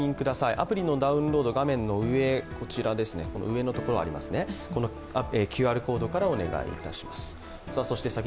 アプリのダウンロードは画面の上、ＱＲコードからお願いいたします。